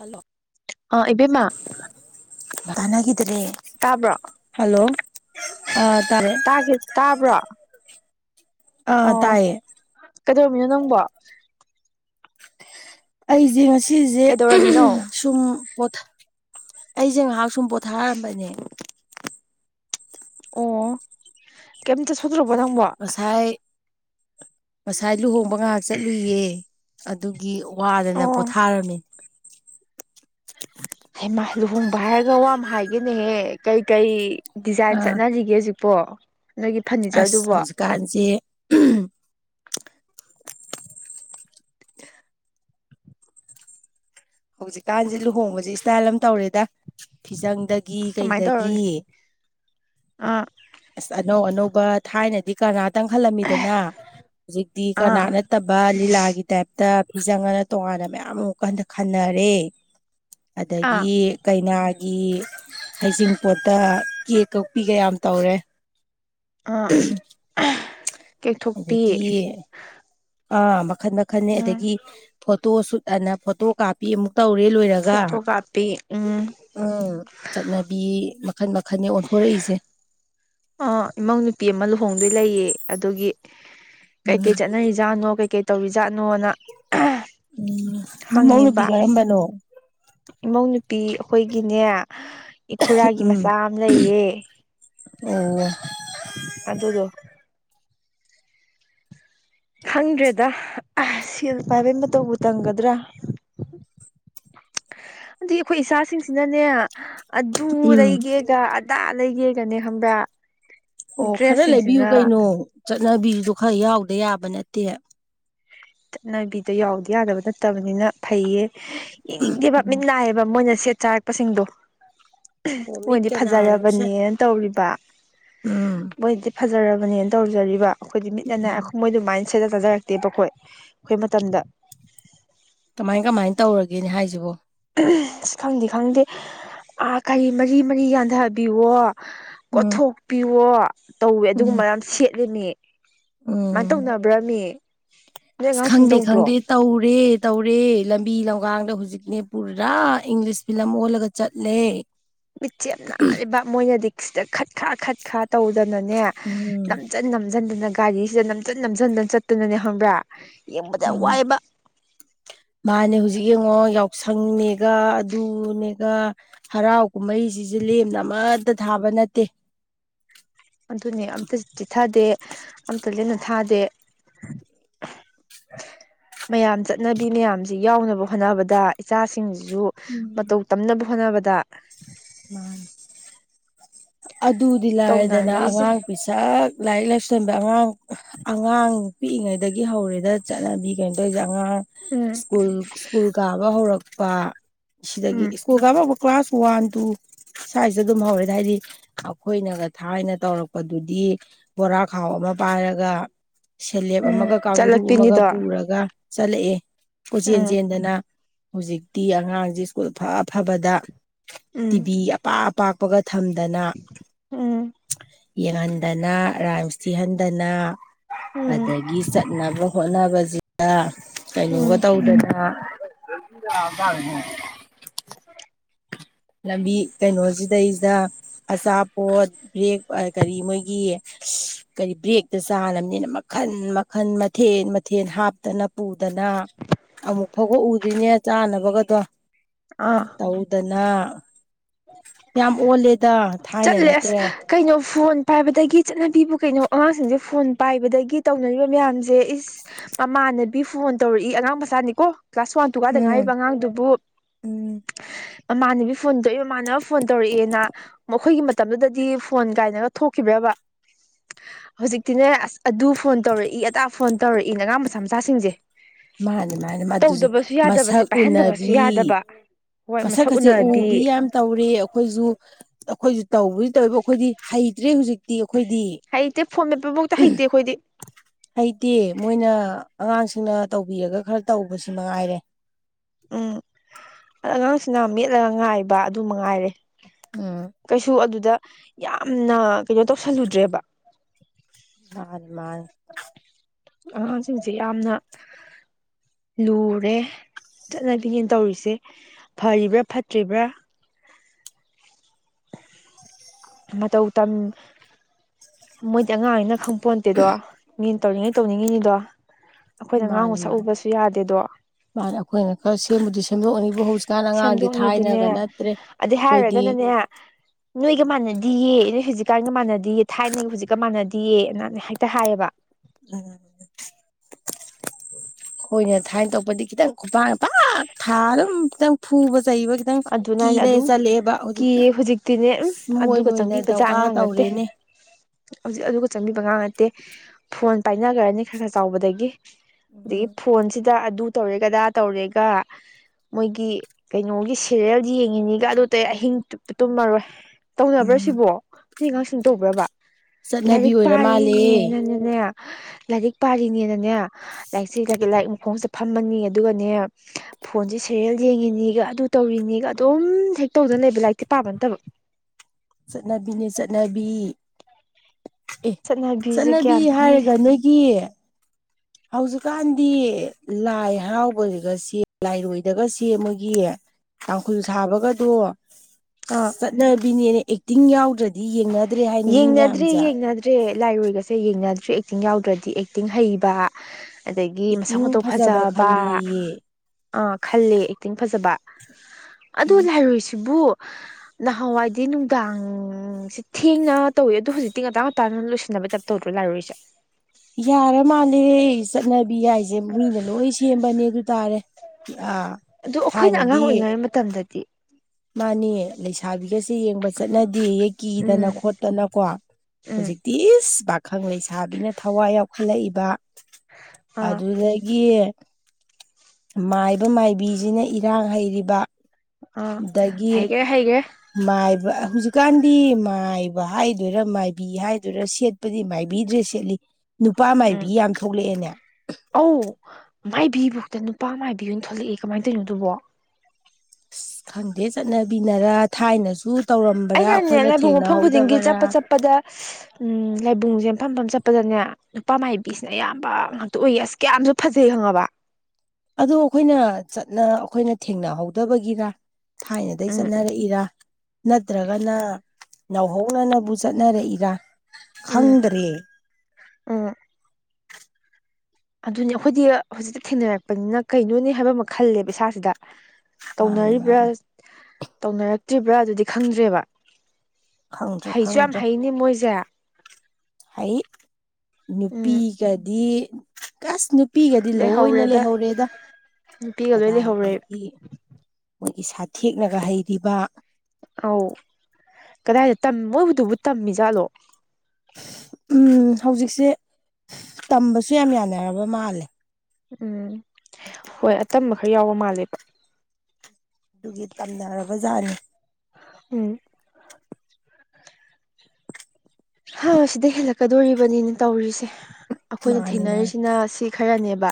Hello ꯑ ꯏꯕꯦꯝꯃ ꯇꯥꯟꯅꯒꯤꯗ꯭ꯔꯦ ꯇꯥꯕ꯭ꯔꯣ ꯍꯂꯣ ꯑꯥ ꯇꯥꯔꯦ ꯇꯥꯒꯦ ꯇꯥꯕ꯭ꯔꯣ ꯑꯥ ꯑꯣ ꯇꯥꯏꯌꯦ ꯀꯩꯗꯧꯔꯝꯃꯤꯅꯣ ꯅꯪꯕꯣ ꯑꯩꯁꯦ ꯉꯁꯤꯁꯦ ꯀꯩꯗꯧꯔꯝꯃꯤꯅꯣ ꯁꯨꯝ ꯄꯣꯊꯥ ꯑꯩꯁꯦ ꯉꯥꯏꯍꯥꯛ ꯁꯨꯝ ꯄꯣꯊꯥꯔꯝꯕꯅꯦ ꯑꯣ ꯀꯩꯝꯇ ꯊꯣꯛꯇ꯭ꯔꯕꯣ ꯅꯪꯕꯣ ꯉꯁꯥꯏ ꯉꯁꯥꯏ ꯂꯨꯍꯣꯡꯕ ꯉꯥꯏꯍꯥꯛ ꯆꯠꯂꯨꯏꯌꯦ ꯑꯗꯨꯒꯤ ꯋꯥꯗꯅ ꯑꯣ ꯄꯣꯊꯥꯔꯝꯃꯤ ꯍꯩꯃꯥ ꯂꯨꯍꯣꯡꯕ ꯍꯥꯏꯔꯒ ꯋꯥ ꯑꯃ ꯍꯥꯏꯒꯦꯅꯦꯍꯦ ꯀꯩ ꯀꯩ ꯗꯤꯖꯥꯏꯟ ꯑꯥ ꯆꯠꯅꯔꯤꯒꯦ ꯍꯧꯖꯤꯛ ꯕꯣ ꯑꯁ ꯍꯧꯖꯤꯛꯀꯥꯟꯁꯦ ꯑꯍꯝ ꯍꯧꯖꯤꯛꯀꯥꯟꯁꯦ ꯂꯨꯍꯣꯡꯕꯁꯦ ꯏꯁꯇꯥꯏꯜ ꯑꯃ ꯇꯧꯔꯦꯗ ꯐꯤꯖꯪꯗꯒꯤ ꯀꯃꯥꯏ ꯇꯧꯔꯒꯦ ꯀꯩꯗꯒꯤ ꯑꯥ ꯑꯁ ꯑꯅꯧ ꯑꯅꯧꯕ ꯊꯥꯏꯅꯗꯤ ꯀꯔꯅꯥꯠ ꯇꯪ ꯈꯜꯂꯝꯃꯤꯗꯅ ꯍꯧꯖꯤꯛꯇꯤ ꯑꯥ ꯀꯔꯅꯥꯠ ꯅꯠ ꯅꯠꯇꯕ ꯂꯤꯂꯥꯒꯤ ꯇꯥꯏꯞꯇ ꯐꯤꯖꯪꯑꯥꯅ ꯇꯣꯉꯥꯟꯅ ꯃꯌꯥꯝ ꯑꯃꯨꯛꯀ ꯈꯟꯅꯔꯦ ꯑꯥ ꯑꯗꯒꯤ ꯀꯩꯅꯥꯒꯤ ꯍꯩꯖꯤꯡꯄꯣꯠꯇ ꯀꯦꯛ ꯀꯛꯄꯤꯒ ꯌꯥꯝ ꯇꯧꯔꯦ ꯑꯥ [unintelligible] ꯀꯦꯛꯊꯣꯛꯄꯤ ꯑꯗꯒꯤ ꯑꯥ ꯃꯈꯟ ꯃꯈꯟꯅꯦ ꯎꯝ ꯑꯗꯒꯤ ꯐꯣꯇꯣ ꯁꯨꯠ ꯑꯅ ꯐꯣꯇꯣ ꯀꯥꯞꯄꯤ ꯑꯃꯨꯛ ꯇꯧꯔꯦ ꯂꯣꯏꯔꯥꯒ ꯐꯣꯇꯣ ꯀꯥꯞꯄꯤ ꯎꯝ ꯎꯝ ꯆꯠꯅꯕꯤ ꯃꯈꯜ ꯃꯈꯜꯅꯦ ꯑꯣꯟꯊꯣꯔꯛꯏꯁꯦ ꯑꯣ ꯏꯃꯧ ꯅꯨꯨꯄꯤ ꯑꯃ ꯂꯨꯍꯣꯡꯗꯣꯏ ꯂꯩꯌꯦ ꯑꯗꯨꯒꯤ ꯎꯝ ꯀꯩꯀꯩ ꯆꯠꯅꯔꯤꯖꯥꯠꯅꯣ ꯀꯩꯀꯩ ꯇꯧꯔꯤꯖꯥꯠꯅꯣꯅ ꯎꯝ ꯅꯃꯧ ꯅꯨꯕꯤ ꯍꯪꯉꯤꯕ ꯑꯁ ꯀꯔꯝꯕꯅꯣ ꯏꯃꯧ ꯅꯨꯨꯄꯤ ꯑꯩꯈꯣꯏꯒꯤꯅꯦ ꯏꯈꯨꯔꯥꯒꯤ ꯎꯝ ꯃꯆꯥ ꯑꯃ ꯂꯩꯌꯦ ꯑꯣ ꯑꯗꯨꯗꯣ ꯈꯪꯗ꯭ꯔꯦꯗ ꯑꯥ ꯁꯦꯜ ꯄꯥꯏꯕꯩ ꯃꯇꯧꯕꯨ ꯇꯝꯒꯗ꯭ꯔꯥ ꯑꯗꯨꯏ ꯑꯩꯈꯣꯏ ꯏꯆꯥꯁꯤꯡꯁꯤꯅꯅꯦ ꯑꯗꯨ ꯎꯝ ꯂꯩꯒꯦꯒ ꯑꯗꯥ ꯂꯩꯒꯦꯒꯅꯦ ꯈꯪꯕ꯭ꯔꯥ ꯑꯣ ꯈꯔ ꯂꯩꯕꯤꯌꯨ ꯗ꯭ꯔꯦꯁꯁꯤꯡꯁꯤꯅ ꯀꯩꯅꯣ ꯆꯠꯅꯕꯤꯗꯣ ꯈꯔ ꯌꯥꯎꯗ ꯌꯥꯕ ꯅꯠꯇꯦ ꯆꯠꯅꯕꯤꯗꯣ ꯌꯥꯎꯗ ꯌꯥꯗꯕ ꯅꯠꯇꯕꯅꯤꯅ ꯐꯩꯌꯦ ꯌꯦꯝꯡꯅꯤꯡꯗꯦꯕ ꯎꯝ ꯃꯤꯠ ꯅꯥꯏꯌꯦꯕ ꯃꯣꯏꯅ ꯁꯦꯠ ꯆꯥꯔꯛꯄꯁꯤꯡꯗꯣ ꯑꯍꯝ ꯑꯣ ꯃꯣꯏꯗꯤ ꯃꯤꯠꯀ ꯅꯥꯔꯨꯕꯁꯦ ꯐꯖꯔꯕꯅꯦꯅ ꯇꯧꯔꯤꯕ ꯎꯝ ꯃꯣꯏꯗꯤ ꯐꯖꯔꯕꯅꯦꯅ ꯇꯧꯖꯔꯤꯕ ꯑꯩꯈꯣꯏꯗꯤ ꯃꯤꯠ ꯌꯥꯝ ꯅꯥꯏ ꯑꯩꯈꯣꯏ ꯃꯣꯏꯗꯣꯃꯥꯏꯟ ꯁꯦꯠꯆ ꯆꯥꯖꯔꯛꯇꯦꯕ ꯑꯩꯈꯣꯏ ꯑꯩꯈꯣꯏ ꯃꯇꯝꯗ ꯀꯃꯥꯏ ꯀꯃꯥꯏ ꯇꯧꯔꯒꯦꯅꯦ ꯍꯥꯏꯁꯤꯕꯣ ꯑꯍꯝ ꯑꯁ ꯈꯪꯗꯦ ꯈꯪꯗꯦ ꯀꯔꯤ ꯃꯔꯤ ꯃꯔꯤ ꯌꯥꯟꯘꯕꯤꯋꯣ ꯎꯝ ꯀꯣꯠꯊꯣꯛꯄꯤꯋꯣ ꯇꯧꯋꯦ ꯎꯝ ꯑꯗꯨꯒꯨꯝꯕ ꯌꯥꯝ ꯁꯦꯠꯂꯦꯃꯤ ꯃꯥꯥꯏꯅ ꯎꯝ ꯇꯧꯅꯕ꯭ꯔꯃꯤ ꯑꯁ ꯈꯪꯗꯦ ꯈꯪꯗꯦ ꯇꯧꯔꯦ ꯇꯧꯔꯦ ꯂꯝꯕꯤ ꯂꯝꯒꯥꯡꯗ ꯍꯧꯖꯤꯛꯅꯦ ꯄꯨꯔꯥ ꯏꯪꯂꯤꯁ ꯐꯤꯂꯝ ꯑꯣꯜꯂꯒ ꯆꯠꯂꯦ ꯃꯤꯠꯆꯦ ꯌꯥꯝ ꯅꯥꯔꯦꯕ ꯃꯣꯏꯅꯗꯤ ꯁꯤꯗ ꯈꯠꯈꯥ ꯈꯠꯈꯥ ꯇꯧꯗꯅꯅꯦ ꯎꯝ ꯅꯝꯖꯟ ꯅꯝꯖꯟꯗꯅ ꯒꯥꯔꯤꯁꯤꯗ ꯅꯝꯖꯟ ꯅꯝꯖꯟꯗꯅ ꯆꯠꯇꯅꯅꯦ ꯈꯪꯕ꯭ꯔꯥ ꯌꯦꯡꯕꯗ ꯎꯝ ꯋꯥꯏꯕ ꯃꯥꯅꯦ ꯍꯧꯖꯤꯛ ꯌꯦꯡꯉꯣ ꯌꯥꯎꯁꯪꯅꯦꯒ ꯑꯗꯨꯅꯦꯒ ꯍꯔꯥꯎ ꯀꯨꯝꯍꯩꯁꯤꯁꯨ ꯂꯦꯝꯅ ꯑꯃꯠꯇ ꯊꯥꯕ ꯅꯠꯇꯦ ꯑꯗꯨꯅꯦ ꯑꯝꯇ ꯆꯤꯊꯗꯦ ꯑꯝꯇ ꯂꯦꯝꯅ ꯊꯥꯗꯦ [unintelligible] ꯃꯌꯥꯝ ꯆꯠꯅꯕꯤ ꯃꯌꯥꯝꯁꯤ ꯌꯥꯎꯅꯕ ꯍꯣꯠꯅꯕꯗ ꯏꯆꯥꯁꯤꯡꯁꯤꯁꯨ ꯃꯇꯧ ꯇꯝꯅꯕ ꯍꯣꯠꯅꯕꯗ ꯃꯅꯤ ꯑꯗꯨꯗꯤ ꯂꯥꯏꯗꯅ ꯇꯧꯅꯔꯤꯁꯦ ꯑꯉꯥꯡ ꯄꯤꯁꯛ ꯁꯛ ꯂꯥꯏꯔꯤꯛ ꯂꯥꯏ [unintelligible] ꯑꯉꯥꯡ ꯑꯉꯥꯡ ꯄꯤꯛꯏꯉꯩꯗꯒꯤ ꯍꯧꯔꯦꯗ ꯆꯠꯅꯕꯤ ꯀꯥꯏꯅ ꯇꯧꯔꯤꯁꯦ ꯑꯉꯥꯡ ꯎꯝ ꯀꯨꯜ ꯁ꯭ꯀꯨꯜ ꯀꯥꯕ ꯍꯧꯔꯛꯄ ꯎꯝ ꯁꯤꯗꯒꯤ ꯁ꯭ꯀꯨꯜ ꯀꯥꯕ ꯍꯧꯔꯛꯄ ꯀ꯭ꯂꯥꯁ ꯋꯥꯟ ꯇꯨ ꯁꯥꯏꯖꯤꯗ ꯑꯗꯨꯝ ꯍꯧꯔꯦ ꯍꯥꯏꯗꯤ ꯑꯩꯈꯣꯏꯅꯒ ꯊꯥꯏꯅ ꯇꯧꯔꯛꯄꯗꯨꯗꯤ ꯕꯣꯔꯥ ꯈꯥꯎ ꯑꯃ ꯄꯥꯏꯔꯒ ꯁꯦꯂꯦꯞ ꯎꯝ ꯑꯃꯒ ꯀꯥꯡꯒ‌꯭ꯔꯨ ꯑꯃꯒ ꯆꯠꯂꯛꯄꯤꯅꯤꯗꯣ ꯄꯨꯔꯒ ꯆꯠꯂꯛꯑꯦ ꯀꯣꯏꯆꯦꯟ ꯎꯝ ꯆꯦꯟꯗꯅ ꯍꯨꯖꯤꯛꯇꯤ ꯑꯉꯥꯡꯖꯦ ꯁ꯭ꯀꯨꯜ ꯐꯥ ꯐꯕꯗ ꯎꯝ ꯇꯤꯚꯤ ꯑꯄꯥꯛ ꯑꯄꯥꯛꯄꯒ ꯊꯝꯗꯅ ꯎꯝ ꯌꯦꯡꯍꯟꯗꯅ ꯔꯥꯏꯝꯁ ꯊꯤꯍꯟꯗꯅ ꯎꯝ ꯑꯗꯒꯤ ꯆꯠꯅꯕ ꯍꯣꯠꯅꯕꯖꯤꯗ ꯀꯩꯅꯣꯒ ꯎꯝ ꯇꯧꯗꯅ [unintelligible] [unintelligible] ꯂꯝꯕꯤ ꯀꯩꯅꯣꯖꯤꯗꯩꯖꯤꯗ ꯑꯆꯥꯄꯣꯠ ꯕ꯭ꯔꯦꯛ ꯑ ꯀꯔꯤ ꯃꯣꯏꯒꯤ [inaudible] ꯀꯔꯤ ꯕ꯭ꯔꯦꯛꯇ ꯆꯥꯅꯕꯅꯤꯅ ꯃꯈꯟ ꯃꯈꯟ ꯃꯊꯦꯟ ꯃꯊꯦꯟ ꯍꯥꯞꯇꯅ ꯄꯨꯗꯅ ꯑꯃꯨꯛ ꯐꯥꯎꯕ ꯎꯗ꯭ꯔꯤꯅꯦ ꯆꯥꯅꯕꯒꯗꯣ ꯑꯥ ꯇꯧꯗꯅ ꯌꯥꯝ ꯑꯣꯜꯂꯦꯗ ꯊꯥꯏ ꯆꯠꯂꯦ ꯑꯁ ꯀꯩꯅꯣ ꯐꯣꯟ ꯄꯥꯏꯕꯗꯒꯤ ꯆꯠꯅꯕꯤꯕꯨ ꯀꯩꯅꯣ ꯑꯉꯥꯡꯁꯤꯡꯁꯦ ꯐꯣꯟ ꯄꯥꯏꯕꯗꯒꯤ ꯇꯧꯅꯔꯤꯕ ꯃꯌꯥꯝꯁꯦ ꯁꯦ ꯏꯁ ꯃꯃꯥꯟꯅꯕꯤ ꯐꯣꯟ ꯇꯧꯔꯛꯏ ꯑꯉꯥꯡ ꯃꯆꯥꯅꯤꯀꯣ ꯀ꯭ꯂꯥꯁ ꯋꯥꯟ ꯇꯨ ꯀꯥꯗ ꯎꯝ ꯉꯥꯏꯔꯤꯕ ꯑꯉꯥꯡꯗꯨꯕꯨ ꯎꯝ ꯃꯃꯥꯟꯅꯕꯤ ꯐꯣꯟ ꯇꯧꯏ ꯃꯃꯥꯟꯅꯕ ꯐꯣꯟ ꯇꯧꯔꯛꯏꯑꯅ ꯃꯈꯣꯏꯒꯤ ꯃꯇꯝꯗꯨꯗꯗꯤ ꯐꯣꯟ ꯀꯥꯏꯅꯒ ꯊꯣꯛꯈꯤꯕ꯭ꯔꯕ ꯍꯧꯖꯤꯛꯇꯤꯅꯦ ꯑꯁ ꯑꯗꯨ ꯐꯣꯟ ꯇꯧꯔꯛꯏ ꯑꯗꯥ ꯐꯣꯟ ꯇꯧꯔꯛꯏꯅ ꯑꯉꯥꯡ ꯃꯆꯥ ꯃꯆꯥꯁꯤꯡꯁꯦ ꯃꯥꯅꯤ ꯃꯥꯅꯤ ꯃꯗꯨꯁꯨ ꯇꯧꯗꯕꯁꯨ ꯌꯥꯗꯕꯁꯦ ꯃꯁꯛ ꯄꯥꯏꯍꯟꯗꯕꯁꯨ ꯎꯅꯕꯤ ꯌꯥꯗꯕ ꯍꯣꯏ ꯃꯁꯛ ꯀꯁꯦ ꯎꯅꯕꯤ ꯎꯕꯤ ꯌꯥꯝ ꯇꯧꯔꯦ ꯑꯈꯣꯏꯖꯨ ꯑꯈꯣꯏꯖꯨ ꯇꯧꯕꯨꯗꯤ ꯇꯧꯋꯦꯕꯨ ꯑꯈꯣꯏꯗꯤ ꯍꯩꯇ꯭ꯔꯦ ꯍꯧꯖꯤꯛꯇꯤ ꯑꯈꯣꯏꯗꯤ ꯍꯩꯇꯦ ꯐꯣꯟ ꯃꯦꯠꯄꯕꯧꯗ ꯍꯩꯇꯦ ꯑꯈꯣꯏꯗꯤ ꯍꯩꯇꯦ ꯃꯣꯏꯅ ꯑꯉꯥꯡꯁꯤꯡꯅ ꯇꯧꯕꯤꯔꯒ ꯈꯔ ꯇꯧꯕꯁꯤ ꯃꯉꯥꯏꯔꯦ ꯎꯝ ꯑꯗ ꯑꯉꯥꯡꯁꯤꯅ ꯃꯦꯠꯂꯒ ꯉꯥꯏꯕ ꯑꯗꯨꯃꯉꯥꯏꯔꯦ ꯎꯝ ꯀꯩꯁꯨ ꯑꯗꯨꯗ ꯌꯥꯝꯅ ꯀꯩꯅꯣ ꯇꯧꯁꯜꯂꯨꯗ꯭ꯔꯦꯕ ꯃꯥꯅꯤ ꯃꯥꯅꯤ ꯑꯉꯥꯡꯁꯤꯡꯁꯦ ꯌꯥꯝꯅ ꯂꯨꯔꯦ ꯆꯠꯅꯕꯤꯅꯦꯅ ꯇꯧꯔꯤꯁꯦ ꯐꯥꯔꯤꯕ꯭ꯔꯥ ꯐꯠꯇ꯭ꯔꯤꯕ꯭ꯔꯥ ꯃꯇꯧ ꯇꯝ ꯃꯣꯏꯗꯤ ꯑꯉꯥꯡꯅꯤꯅ ꯈꯪꯄꯣꯟꯇꯦꯗꯣ ꯃꯤꯟ ꯇꯧꯔꯤꯉꯩ ꯇꯧꯅꯤꯡꯉꯤꯅꯤꯗꯣ ꯑꯈꯣꯏꯅ ꯉꯥꯡꯉꯨ ꯁꯛꯎꯕꯁꯨ ꯌꯥꯗꯦꯗꯣ ꯃꯥꯅꯦ ꯑꯈꯣꯏꯅ ꯈꯔ ꯁꯦꯝꯕꯨꯗꯤ ꯁꯦꯝꯗꯣꯛꯑꯅꯤꯕꯨ ꯍꯧꯖꯤꯛ ꯁꯦꯝꯗꯣꯛꯑꯅꯤꯕꯨꯅꯦ ꯑꯗꯩ ꯑꯩꯈꯣꯏꯗꯤ ꯍꯥꯏꯔꯨꯒꯅꯅꯦ ꯅꯣꯏꯒ ꯃꯥꯟꯅꯗꯤꯌꯦ ꯅꯣꯏ ꯍꯧꯖꯤꯛꯀꯥꯟꯒ ꯃꯥꯟꯅꯗꯤꯌꯦ ꯊꯥꯏꯅꯒꯤ ꯍꯧꯖꯤꯛꯀ ꯃꯥꯟꯅꯗꯤꯌꯦ ꯑꯥꯅ ꯍꯦꯛꯇ ꯍꯥꯏꯌꯦꯕ ꯎꯝ ꯑꯈꯣꯏꯅ ꯊꯥꯏꯅ ꯇꯧꯕꯗꯤ ꯈꯤꯇꯪ ꯈꯨꯄꯥꯛꯅ ꯄꯥꯛ ꯊꯥ ꯑꯗꯨꯝ ꯈꯤꯇꯪ ꯐꯨꯕ ꯆꯩꯕ ꯈꯤꯇꯪ ꯑꯗꯨꯅ ꯑꯩꯅ ꯀꯤꯅꯩ ꯑꯗꯨꯝ ꯆꯠꯂꯛꯑꯦꯕ ꯍꯧꯖꯤꯛꯇꯤ ꯀꯤꯌꯦ ꯍꯧꯖꯤꯛꯇꯤꯅꯦ ꯎꯝ ꯃꯣꯏ ꯑꯗꯨꯒ ꯑꯣꯏꯅ ꯆꯪꯕꯤꯕꯖꯥ ꯗꯝꯀꯥ ꯑꯉꯥꯡ ꯅꯠꯇꯦ ꯇꯧꯔꯦꯅꯦ ꯍꯧꯖꯤꯛ ꯑꯗꯨꯒ ꯆꯪꯕꯤꯕ ꯑꯉꯥꯡ ꯅꯠꯇꯦ ꯐꯣꯟ ꯄꯥꯏꯅꯒ꯭ꯔꯅꯤ ꯈꯔ ꯈꯔ ꯆꯥꯎꯕꯗꯒꯤ ꯑꯗꯒꯤ ꯎꯝ ꯐꯣꯟꯁꯤ ꯑꯗꯨ ꯇꯧꯔꯦꯗꯥ ꯇꯧꯔꯦ ꯃꯣꯏꯒꯤ ꯀꯩꯅꯣꯁꯤ ꯁꯦꯔꯌꯦꯜꯗꯤ ꯌꯦꯡꯉꯤꯅꯤꯒ ꯑꯗꯨ ꯇꯩ ꯑꯍꯤꯡ ꯇꯨꯝꯃꯔꯣꯏ ꯇꯧꯅꯕ꯭ꯔꯥ ꯎꯝ ꯁꯤꯕꯣ ꯅꯣꯏꯉꯥꯡ ꯁꯨꯝ ꯇꯧꯕ꯭ꯔꯕ ꯆꯠꯅꯕꯤ ꯂꯥꯏꯔꯤꯛ ꯑꯣꯏꯔ ꯃꯥꯜꯂꯦ ꯄꯥꯔꯦꯅꯦꯅ ꯅꯦ ꯂꯥꯏꯔꯤꯛ ꯄꯥꯔꯤꯅꯦꯅꯅꯦ ꯂꯥꯏꯔꯤꯛꯁꯤ ꯂꯥꯏꯔꯤꯛ ꯃꯈꯣꯡꯁꯦ ꯐꯝꯃꯅꯤ ꯑꯗꯨꯒꯅꯦ ꯐꯣꯟꯁꯦ ꯁꯦꯔꯤꯌꯦꯜ ꯌꯦꯡꯉꯤꯅꯤꯒ ꯑꯗꯨ ꯇꯧꯔꯤꯅꯦꯒ ꯑꯗꯨꯝ ꯍꯦꯛ ꯇꯧꯗꯅ ꯂꯩꯕ ꯂꯥꯏꯔꯤꯛꯇꯤ ꯄꯥꯕ ꯅꯠꯇꯕ ꯆꯠꯅꯕꯤꯅꯦ ꯆꯠꯅꯕꯤ ꯑꯦ ꯆꯠꯅꯕꯤꯁꯦ ꯆꯠꯅꯕꯤ ꯒ꯭ꯌꯥꯟ ꯈꯪꯗꯦ ꯍꯥꯏꯔꯒ ꯅꯣꯏꯒꯤ ꯍꯧꯖꯤꯛꯀꯥꯟꯗꯤ ꯂꯥꯏ ꯍꯔꯥꯎꯕꯒꯁ ꯂꯥꯏꯔꯣꯏꯗꯒꯁ ꯃꯣꯏꯒꯤ ꯇꯥꯡꯈꯨꯜ ꯁꯥꯕꯒꯗꯣ ꯑꯥ ꯆꯠꯅꯕꯤꯅꯦꯅ ꯑꯦꯛꯇꯤꯡ ꯌꯥꯎꯗ꯭ꯔꯗꯤ ꯌꯦꯡꯅꯗ꯭ꯔꯦ ꯍꯥꯏꯅꯤ ꯃꯤ ꯌꯦꯡꯅꯗ꯭ꯔꯦ ꯃꯌꯥꯝꯁꯦ [unintelligible] ꯂꯥꯏꯔꯣꯏꯒꯁꯦ ꯌꯦꯡꯅꯗ꯭ꯔꯦ ꯑꯦꯛꯇꯤꯡ ꯌꯥꯎꯗ꯭ꯔꯗꯤ ꯑꯦꯛꯇꯤꯡ ꯍꯩꯕ ꯑꯗꯒꯤ ꯃꯁꯛ ꯑꯦꯛꯇꯤꯡ ꯃꯇꯧ ꯐꯖꯕ ꯈꯜꯂꯤꯌꯦ ꯑꯥ ꯈꯜꯂꯦ ꯑꯦꯛꯇꯤꯡ ꯐꯖꯕ ꯑꯣ ꯎꯝ ꯂꯥꯏꯔꯣꯏꯁꯤꯕꯨ ꯅꯍꯥꯟꯋꯥꯏꯗꯤ ꯅꯨꯡꯗꯥꯡ ꯁꯤ ꯊꯦꯡꯅ ꯇꯧꯋꯦ ꯑꯗꯣ ꯍꯧꯖꯤꯛꯇꯤꯉꯥꯟꯇꯥ ꯉꯥꯟꯇꯥ ꯂꯣꯏꯁꯤꯟꯅꯕ ꯇꯥꯏꯞ ꯇꯧꯗ꯭ꯔꯣ ꯂꯥꯏꯔꯣꯏꯁꯦ ꯌꯥꯔ ꯃꯥꯜꯂꯦ ꯆꯠꯅꯕꯤ ꯍꯥꯏꯁꯦ ꯃꯤꯅ ꯂꯣꯏ ꯁꯦꯝꯕꯅꯦ ꯑꯗꯨ ꯇꯔꯦ [unintelligible] ꯑꯗꯨ ꯑꯩꯈꯣꯏꯅ ꯑꯉꯥꯡ ꯑꯣꯏꯉꯩ ꯃꯇꯝꯗꯗꯤ ꯃꯥꯅꯤ ꯂꯩꯁꯥꯕꯤꯒꯁꯦ ꯌꯦꯡꯕ ꯆꯠꯅꯗꯦ ꯌꯦ ꯎꯝ ꯀꯤꯗꯅ ꯈꯣꯠꯇꯅꯀꯣ ꯎꯝ ꯍꯧꯖꯤꯛ ꯏꯤꯁ ꯄꯥꯈꯪ ꯂꯩꯁꯥꯕꯤꯅ ꯊꯋꯥꯏ ꯌꯥꯎꯈꯠꯂꯛꯏꯕ ꯑꯥ ꯑꯗꯨꯗꯨꯗꯒꯤ ꯃꯥꯏꯕ ꯃꯥꯏꯕꯤꯁꯤꯅ ꯏꯔꯥꯡ ꯍꯩꯔꯤꯕ ꯑꯥ ꯑꯗꯒꯤ ꯍꯩꯒ꯭ꯔꯦ ꯍꯩꯒ꯭ꯔꯦ ꯃꯥꯏꯕ ꯍꯧꯖꯤꯛꯀꯥꯟꯗꯤ ꯃꯥꯏꯕ ꯍꯥꯏꯗꯣꯏꯔꯥ ꯃꯥꯏꯕꯤ ꯍꯥꯏꯗꯣꯏꯔꯥ ꯁꯦꯠ ꯄꯗꯤ ꯃꯥꯏꯕꯤ ꯗ꯭ꯔꯦꯁ ꯁꯦꯠꯂꯤ ꯅꯨꯄꯥ ꯎꯝ ꯃꯥꯏꯕꯤ ꯌꯥꯝ ꯊꯣꯛꯂꯛꯑꯦꯅꯦ ꯑꯧ ꯃꯥꯏꯕꯤ ꯐꯥꯎꯗ ꯅꯨꯄꯥ ꯃꯥꯏꯕꯤ ꯑꯣꯏꯅ ꯊꯣꯛꯂꯛꯑꯦ ꯀꯃꯥꯏꯅ ꯇꯧꯔꯤꯅꯣ ꯑꯗꯨꯕꯣ ꯈꯪꯗꯦ ꯆꯠꯅꯕꯤꯅꯔ ꯊꯥꯏꯅꯁꯨ ꯇꯧꯔꯝꯕꯔꯥ ꯑꯩꯅꯅꯦ ꯑꯩꯈꯣꯏꯅ ꯂꯥꯏꯕꯨꯡ ꯃꯐꯝ ꯈꯨꯗꯤꯡꯒꯤ ꯊꯦꯡꯅꯍꯧꯗꯕꯔꯥ ꯆꯠꯄ ꯆꯠꯄꯗ ꯎꯝ ꯂꯥꯏꯕꯨꯡꯁꯦꯐꯝꯐꯝ ꯆꯠꯄꯗꯅꯦ ꯅꯨꯄꯥ ꯃꯥꯏꯕꯤꯁꯤꯅ ꯑꯌꯥꯝꯕ ꯉꯥꯛꯇ ꯎꯏ ꯑꯁ ꯀꯌꯥꯝꯁꯨ ꯐꯖꯩ ꯈꯪꯉꯕ ꯑꯗꯣ ꯑꯩꯈꯣꯏꯅ ꯆꯠꯅ ꯑꯩꯈꯣꯏꯅ ꯊꯦꯡꯅꯍꯧꯗꯕꯒꯤꯔ ꯊꯥꯏꯅꯗꯒꯤ ꯎꯝ ꯆꯠꯅꯔꯛꯏꯔꯥ ꯅꯠꯇ꯭ꯔꯒꯅ ꯅꯧꯍꯧꯅꯅꯕꯨ ꯆꯠꯅꯔꯛꯏꯔꯥ ꯎꯝ ꯈꯪꯗ꯭ꯔꯦ ꯎꯝ ꯑꯗꯨꯅꯤ ꯑꯩꯈꯣꯏꯗꯤ ꯍꯧꯖꯤꯛꯇꯤ ꯊꯦꯡꯅꯔꯛꯄꯅꯤꯅ ꯀꯩꯅꯣꯅꯦ ꯍꯥꯏꯕ ꯑꯃ ꯈꯜꯂꯦꯕ ꯏꯁꯥꯁꯤꯗ ꯃꯥꯅꯤ ꯇꯧꯅꯔꯤꯕ꯭ꯔꯥ ꯃꯥꯅꯤ ꯇꯧꯅꯔꯛꯇ꯭ꯔꯤꯕ꯭ꯔꯥ ꯑꯗꯨꯗꯤ ꯈꯪꯗ꯭ꯔꯦꯕ ꯈꯪꯗ꯭ꯔꯦ ꯍꯩꯁꯨ ꯌꯥꯝ ꯈꯪꯗ꯭ꯔꯦ ꯍꯩꯅꯤ ꯃꯣꯏꯁꯦ ꯍꯥꯏ ꯎꯝ ꯅꯨꯄꯤꯒꯗꯤ ꯀꯁ ꯅꯨ ꯅꯨꯄꯤꯒꯗꯤ ꯂꯣꯏꯅ ꯂꯩꯍꯧꯔꯦꯗ ꯅꯨꯄꯤꯒ ꯂꯣꯏ ꯂꯩꯍꯧꯔꯦ ꯀꯗꯥꯏꯗꯒꯤ ꯃꯣꯏꯒꯤ ꯁꯥꯊꯦꯛꯅꯒ ꯍꯩꯔꯤꯕ ꯑꯧ ꯀꯗꯥꯏꯗꯝ ꯃꯣꯏꯕꯨꯗꯨꯕꯨ ꯇꯝꯃꯤ ꯖꯥꯠꯂꯣ ꯎꯝ ꯍꯧꯖꯤꯛꯁꯦ ꯇꯝꯕꯁꯨ ꯌꯥꯝ ꯌꯥꯅꯔꯕ ꯃꯥꯜꯂꯦ ꯎꯝ ꯍꯣꯏ ꯑꯇꯝꯕ ꯈꯔ ꯌꯥꯎꯕ ꯃꯥꯜꯂꯦꯕ ꯑꯗꯨꯒꯤ ꯇꯝꯅꯔꯕ ꯖꯥꯠꯅꯤ ꯎꯝ ꯍꯥ ꯁꯤꯗꯩ ꯍꯦꯜꯂꯛꯀꯗꯣꯔꯤꯕꯅꯤꯅꯦ ꯇꯧꯔꯤꯁꯦ ꯑꯩꯈꯣꯏꯅ ꯃꯥꯅꯤ ꯃꯥꯅꯤ ꯊꯦꯡꯅꯔꯤꯁꯤꯅ ꯁꯤ ꯈꯔꯅꯦꯕ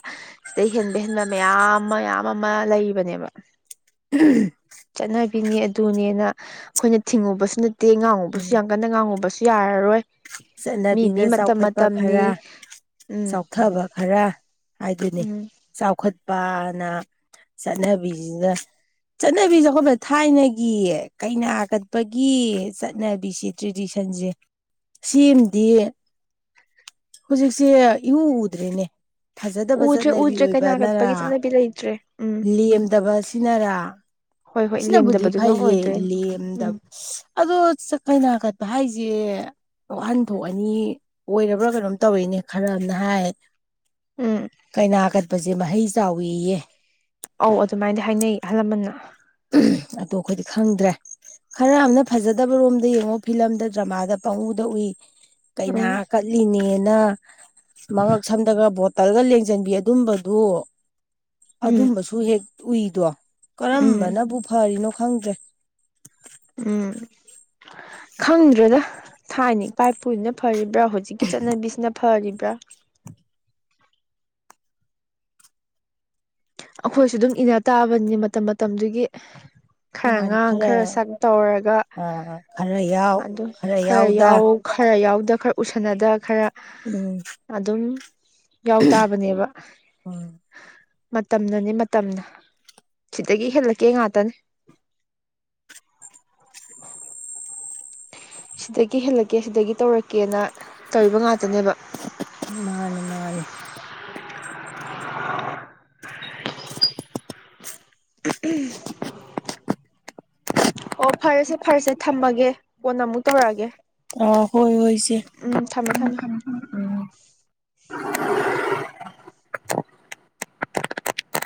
ꯁꯤꯗꯩ ꯍꯦꯟꯕ ꯍꯦꯟꯕ ꯃꯌꯥꯝ ꯃꯌꯥꯝ ꯑꯃ ꯂꯩꯔꯤꯕꯅꯦꯕ꯫ [unintelligible] ꯆꯠꯅꯕꯤꯅꯦ ꯑꯗꯨꯅꯦꯅ ꯑꯩꯈꯣꯏꯅ ꯊꯤꯡꯉꯨꯕꯁꯨ ꯅꯠꯇꯦ ꯉꯥꯡꯉꯨꯕꯁꯨ ꯎꯝ ꯌꯥꯝ ꯀꯟꯅ ꯉꯥꯡꯉꯨꯕꯁꯨ ꯌꯥꯔꯔꯣꯏ꯫ ꯃꯤ ꯃꯤ ꯆꯠꯅꯕꯤꯗ ꯃꯇꯝ ꯆꯥꯎꯈꯠꯄ ꯃꯇꯝꯅꯤ ꯈꯔ ꯎꯝ ꯆꯥꯎꯊꯕ ꯈꯔ ꯍꯥꯏꯗꯨꯅꯤ ꯎꯝ ꯆꯥꯎꯈꯠꯄꯅ ꯆꯠꯅꯕꯤꯁꯤꯗ ꯆꯠꯅꯕꯤꯁꯦ ꯆꯥꯎꯈꯠꯄ ꯊꯥꯏꯅꯒꯤ ꯀꯩꯅꯥ ꯀꯠꯄꯒꯤ ꯆꯠꯅꯕꯤꯁꯤ ꯇ꯭ꯔꯦꯗꯤꯁꯟꯁꯦ ꯁꯤꯑꯝꯗꯤ ꯍꯧꯖꯤꯛꯁꯦ ꯏꯎ ꯎꯗ꯭ꯔꯦꯅꯦ꯫ ꯐꯖꯗꯕ ꯎꯗ꯭ꯔꯦ ꯆꯠꯅꯕꯤ ꯎꯗ꯭ꯔꯦ ꯀꯩꯅꯥ ꯑꯣꯏꯕꯅꯔꯥ ꯀꯠꯄꯒꯤ ꯆꯠꯅꯕꯤ ꯂꯩꯇ꯭ꯔꯦ ꯎꯝ ꯂꯦꯝꯗꯕꯁꯤꯅꯔꯥ ꯍꯣꯏ ꯍꯣꯏ ꯁꯤꯅꯕꯨꯗꯤ ꯂꯦꯝꯗꯕꯗꯨꯅ ꯐꯩꯌꯦ ꯑꯣꯏꯗꯣꯏꯅꯤ ꯂꯦꯝꯗ ꯎꯝ ꯑꯗꯣ ꯀꯩꯅꯥ ꯀꯠꯄ ꯍꯥꯏꯁꯦ ꯋꯥꯍꯟꯊꯣꯛ ꯑꯅꯤ ꯑꯣꯏꯔꯕ꯭ꯔꯥ ꯀꯩꯅꯣꯝ ꯇꯧꯔꯤꯅꯦ ꯈꯔ ꯑꯝꯅ ꯍꯥꯏ ꯎꯝ ꯀꯩꯅꯥ ꯀꯠꯄꯁꯦ ꯃꯍꯩ ꯆꯥꯎꯋꯤꯌꯦ꯫ ꯑꯧ ꯑꯗꯨꯃꯥꯏꯗꯤ ꯍꯥꯏꯅꯩ ꯑꯍꯜ ꯂꯃꯟꯅ꯫ ꯑꯗꯨ ꯑꯩꯈꯣꯏꯗꯤ ꯈꯪꯗ꯭ꯔꯦ꯫ ꯈꯔ ꯑꯝꯅ ꯐꯖꯗꯕ ꯔꯣꯝꯗ ꯌꯦꯡꯉꯣ ꯐꯤꯂꯝꯗ ꯗ꯭ꯔꯃꯥꯗ ꯄꯪ ꯎꯗ ꯎꯏ꯫ ꯀꯩꯅꯥ ꯎꯝ ꯀꯠꯂꯤꯅꯦꯅ ꯃꯉꯛ ꯁꯝꯗꯒ ꯕꯣꯠ ꯇꯜꯒ ꯂꯦꯡꯁꯤꯟꯕꯤ ꯑꯗꯨꯝꯕꯗꯨ ꯎꯝ ꯑꯗꯨꯝꯕꯁꯨ ꯍꯦꯛ ꯎꯏꯗꯣ꯫ ꯎꯝ ꯀꯔꯝꯕꯅꯕꯨ ꯐꯔꯤꯅꯣ ꯈꯪꯗ꯭ꯔꯦ꯫ ꯎꯝ ꯈꯪꯗ꯭ꯔꯣꯗ ꯊꯥꯏꯅ ꯏꯄꯥꯏ ꯄꯨꯨꯁꯤꯅ ꯐꯔꯤꯕ꯭ꯔꯥ ꯍꯧꯖꯤꯛꯀꯤ ꯆꯠꯅꯕꯤꯁꯤꯅ ꯐꯔꯤꯕ꯭ꯔꯥ꯫ ꯑꯩꯈꯣꯏꯁꯨ ꯑꯗꯨꯝ ꯏꯅ ꯇꯥꯕꯅꯤꯅꯦ ꯃꯇꯝ ꯃꯇꯝꯗꯨꯒꯤ꯫ ꯈꯔ ꯉꯥꯡ ꯈꯔ ꯁꯛ ꯇꯧꯔꯒ ꯑ ꯈꯔ ꯌꯥꯎ ꯑꯗꯨꯝ ꯈꯔ ꯌꯥꯎꯗ ꯌꯥꯎ ꯈꯔ ꯌꯥꯎꯗ ꯈꯔ ꯎꯁꯟꯅꯗ ꯈꯔ ꯎꯝ꯫ ꯑꯗꯨꯝ ꯌꯥꯎ ꯇꯥꯕꯅꯦꯕ꯫ ꯎꯝ꯫ ꯃꯇꯝꯅꯅꯦ ꯃꯇꯝꯅ ꯁꯤꯗꯒꯤ ꯍꯦꯜꯂꯛꯀꯦ ꯉꯥꯛꯇꯅꯦ꯫ ꯁꯤꯗꯒꯤ ꯍꯦꯜꯂꯛꯀꯦ ꯁꯤꯗꯒꯤ ꯇꯧꯔꯛꯀꯦꯅ ꯇꯧꯏꯕ ꯉꯥꯛꯇꯅꯦꯕ꯫ ꯃꯥꯅꯦ ꯃꯥꯅꯦ꯫ [inaudible] [unintelligible] ꯑꯣ ꯐꯔꯁꯦ ꯐꯔꯁꯦ ꯊꯝꯃꯒꯦ ꯀꯣꯟꯅ ꯑꯃꯨꯛ ꯇꯧꯔꯛꯑꯒꯦ꯫ ꯑ ꯍꯣꯏ ꯍꯣꯏ ꯎꯝ ꯊꯝꯃꯦ ꯊꯝꯃꯦ꯫